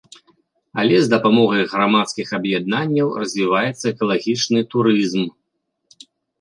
Але з дапамогай грамадскіх аб'яднанняў развіваецца экалагічны турызм.